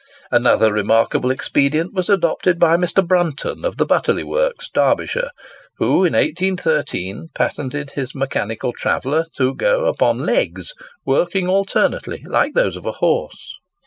Another remarkable expedient was adopted by Mr. Brunton, of the Butterley Works, Derbyshire, who, in 1813, patented his Mechanical Traveller, to go upon legs working alternately like those of a horse.